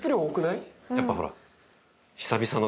やっぱほら。